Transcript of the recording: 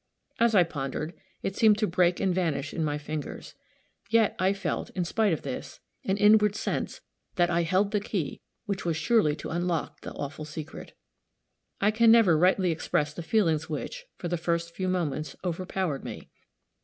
As I pondered, it seemed to break and vanish in my fingers. Yet, I felt, in spite of this, an inward sense that I held the key which was surely to unlock the awful secret. I can never rightly express the feelings which, for the first few moments, overpowered me.